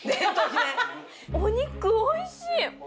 お肉おいしい！